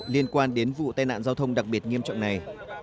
liên quan đến vụ tai nạn giao thông đặc biệt nghiêm trọng này